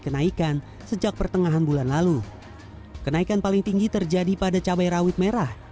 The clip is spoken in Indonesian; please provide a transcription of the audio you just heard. kenaikan sejak pertengahan bulan lalu kenaikan paling tinggi terjadi pada cabai rawit merah